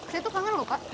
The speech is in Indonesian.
saya tuh kangen loh kak